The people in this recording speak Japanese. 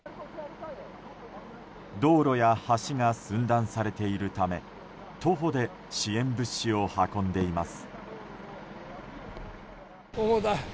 道路や橋が寸断されているため徒歩で支援物資を運んでいます。